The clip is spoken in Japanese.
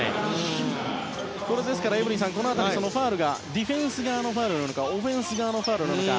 ですからエブリンさん、この辺りディフェンス側のファウルかオフェンス側のファウルなのか。